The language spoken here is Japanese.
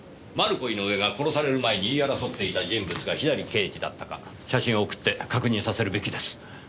マルコ・イノウエが殺される前に言い争っていた人物が左刑事だったか写真を送って確認させるべきです。